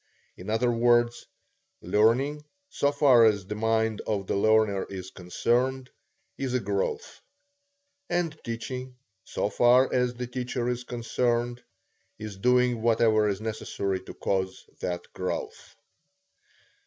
In other words, learning, so far as the mind of the learner is concerned, is a growth; and teaching, so far as the teacher is concerned, is doing whatever is necessary to cause that growth.